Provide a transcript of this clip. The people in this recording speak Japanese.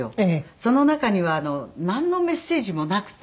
その中にはなんのメッセージもなくて。